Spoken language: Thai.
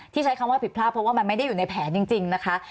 ใช้คำว่าผิดพลาดเพราะว่ามันไม่ได้อยู่ในแผนจริงนะคะ